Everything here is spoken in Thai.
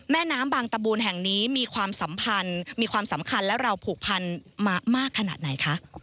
แม่น้ำบางตบูรณ์แห่งนี้มีความสำคัญและเราผูกพันมามากขนาดไหนคะ